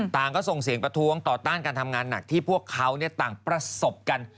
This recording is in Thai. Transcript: ต่างก็ส่งเสียงประท้วงต่อต้านการทำงานหนักที่พวกเขาต่างประสบกัน